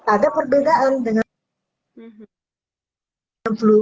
ada perbedaan dengan flu